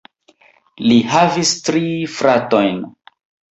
Li havis tri fratojn.